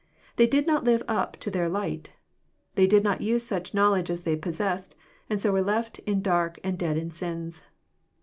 They did not live up to their light. They did not use such knowledge as they possessed, and so were left dark and dead in sins.